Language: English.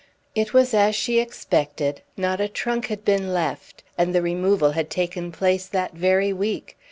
It was as she expected; not a trunk had been left; and the removal had taken place that very week.